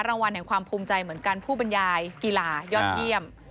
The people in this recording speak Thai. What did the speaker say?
รางวัลแห่งความภูมิใจเหมือนกันผู้บรรยายกีฬายอดเยี่ยม